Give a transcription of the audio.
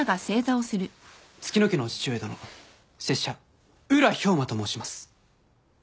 月乃家のお父上殿拙者宇良豹馬と申します。